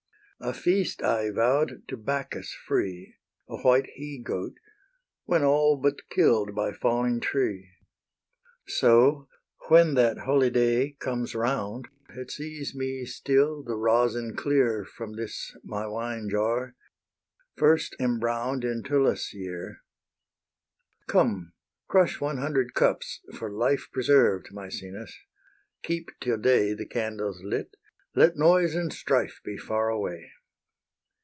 A feast I vow'd to Bacchus free, A white he goat, when all but kill'd By falling tree. So, when that holyday comes round, It sees me still the rosin clear From this my wine jar, first embrown'd In Tullus' year. Come, crush one hundred cups for life Preserved, Maecenas; keep till day The candles lit; let noise and strife Be far away.